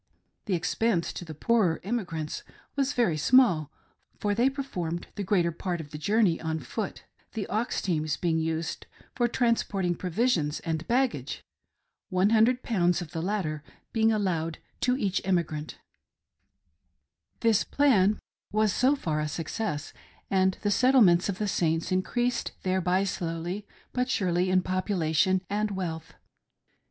The expense to the poorer emigrants was very small, for they performed the greater part of the journey on foot — the ox teams being used for transporting provisions and baggage — one hundred pounds of the latter being aliowed to each emigrant. PILGRIMS CROSSING THE PLAINS. I93 This "plan" was, so far, a success, and the settlements of the Saints increased thereby slowly but surely, in population and wealth.